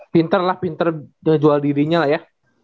pinter lah pinter ngejual dirinya lah ya